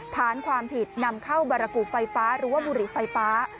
ฐานความผิดนำเข้าบารกุไฟฟ้าหรือว่าบุหรี่ไฟฟ้า